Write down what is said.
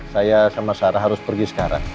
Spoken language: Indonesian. saya sama sarah harus pergi sekarang